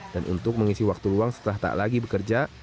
dan untuk mengisi waktu ruang setelah tak lagi bekerja